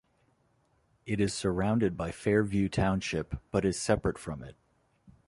It is surrounded by Fairview Township but is separate from it.